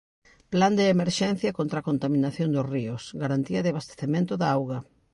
Plan de emerxencia contra a contaminación dos ríos, garantía de abastecemento da auga.